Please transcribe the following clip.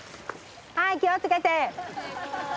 はい気を付けて！